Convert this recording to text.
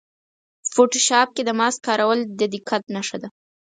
فوټوشاپ کې د ماسک کارول د دقت نښه ده.